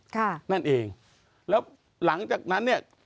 ค่ะนั่นเองแล้วหลังจากนั้นเนี่ย